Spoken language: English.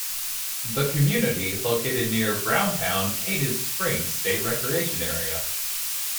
The community is located near Browntown-Cadiz Springs State Recreation Area.